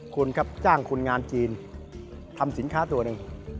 คุณครับจ้างคนงานจีนทำสินค้าตัวหนึ่ง